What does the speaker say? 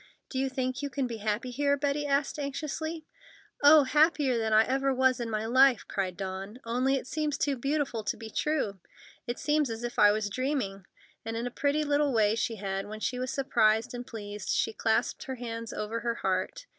"Do you think you can be happy here?" Betty asked anxiously. "Oh, happier than I ever was in my life!" cried Dawn. "Only, it seems too beautiful to be true. It seems as if I was dreaming;" and in a pretty little way she had when she was surprised and pleased, she clasped her hands over her heart.